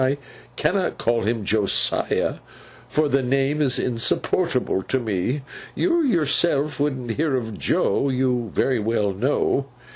I cannot call him Josiah, for the name is insupportable to me. You yourself wouldn't hear of Joe, you very well know.